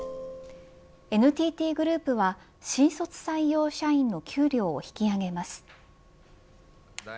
ＮＴＴグループは新卒採用社員の給料を引き上げます。